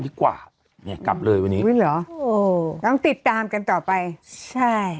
ดีกว่าเนี่ยกลับเลยวันนี้อุ้ยเหรอโอ้โหต้องติดตามกันต่อไปใช่